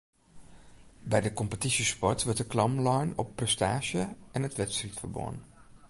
By de kompetysjesport wurdt de klam lein op prestaasje en it wedstriidferbân